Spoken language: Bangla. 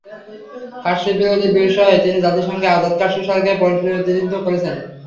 কাশ্মীর বিরোধের বিষয়ে তিনি জাতিসংঘে আজাদ কাশ্মীর সরকারের প্রতিনিধিত্ব করেছিলেন।